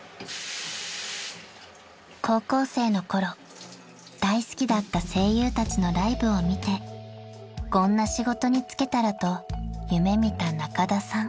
［高校生のころ大好きだった声優たちのライブを見てこんな仕事に就けたらと夢見た仲田さん］